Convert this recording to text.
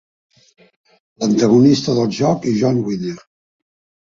L'antagonista del joc és John Winner.